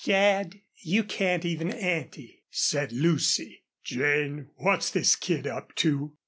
"Dad, you can't even ante," said Lucy. "Jane, what's this kid up to?"